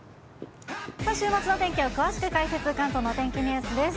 週末の天気を詳しく解説、関東のお天気ニュースです。